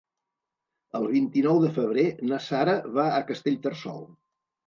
El vint-i-nou de febrer na Sara va a Castellterçol.